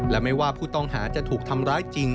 และไม่ว่าผู้ต้องหาจะถูกทำร้ายจริง